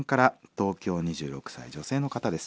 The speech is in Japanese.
東京２６歳女性の方です。